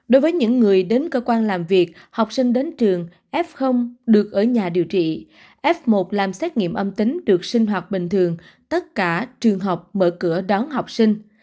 đối với những người đến cơ quan làm việc học sinh đến trường f được ở nhà điều trị f một làm xét nghiệm âm tính được sinh hoạt bình thường tất cả trường học mở cửa đón học sinh